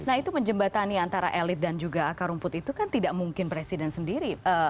nah itu menjembatani antara elit dan juga akar rumput itu kan tidak mungkin presiden sendiri